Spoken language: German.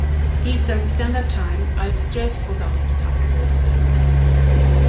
Eastern Standard Time" als Jazz-Posaunist abgebildet.